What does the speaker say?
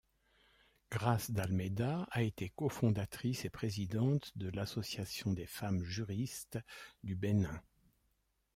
Grace d'Almeida a été co-fondatrice et présidente de l'Association des femmes juristes du Bénin.